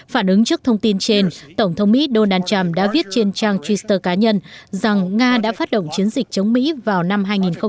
phản ứng trước thông tin trên tổng thống mỹ donald trump đã viết trên trang twitter cá nhân rằng nga đã phát động chiến dịch chống mỹ vào năm hai nghìn hai mươi